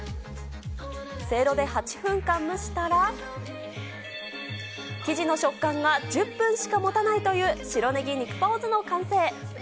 せいろで８分間蒸したら、生地の食感が１０分しかもたないという白ネギ肉パオズの完成。